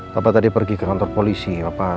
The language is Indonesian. bapak tadi pergi ke kantor polisi